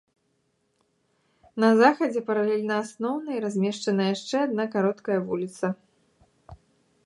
На захадзе, паралельна асноўны, размешчана яшчэ адна кароткая вуліца.